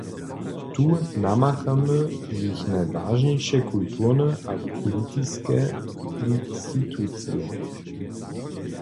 Tu namakamy jich najwažniše kulturne a politiske institucije.